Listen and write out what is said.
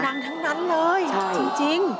ดังทั้งนั้นเลยจริง